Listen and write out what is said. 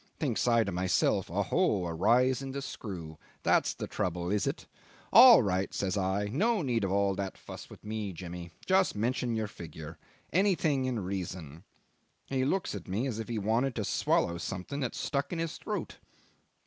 Thinks I to myself: 'Oho! a rise in the screw that's the trouble is it?' 'All right,' says I, 'no need of all that fuss with me, Jimmy. Just mention your figure. Anything in reason.' He looks at me as if he wanted to swallow something that stuck in his throat.